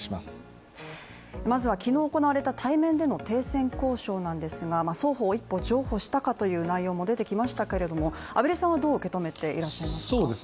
まずは昨日行われた対面での停戦交渉なんですが双方、一歩譲歩したかという内容も出てきましたけど畔蒜さんはどう受け止めていますか？